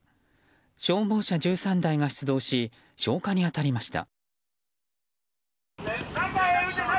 消防車１３台が出動し消火に当たりました。